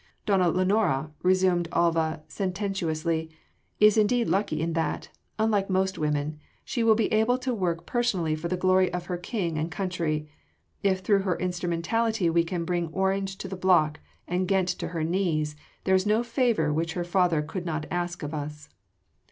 "Donna Lenora," resumed Alva sententiously, "is indeed lucky in that unlike most women she will be able to work personally for the glory of her King and country. If through her instrumentality we can bring Orange to the block and Ghent to her knees, there is no favour which her father could not ask of us."